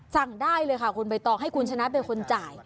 สั่งได้เลยค่ะคุณใบตองให้คุณชนะเป็นคนจ่าย